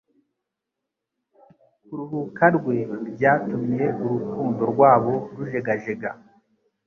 kuruhuka rwe byatumye urukundo rwabo rujegajega